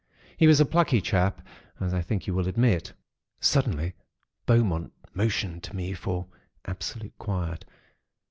He was a plucky chap, as I think you will admit. "Suddenly, Beaumont motioned to me for absolute quiet.